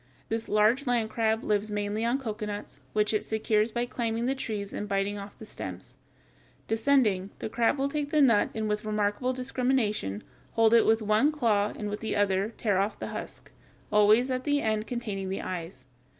This large land crab lives mainly on cocoanuts, which it secures by climbing the trees and biting off the stems. Descending, the crab will take the nut and with remarkable discrimination hold it with one claw and with the other tear off the husk, always at the end containing the "eyes."